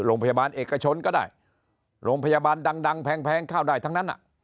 โรงพยาบาลเอกชนก็ได้โรงพยาบาลดังแพงเข้าได้ทั้งนั้น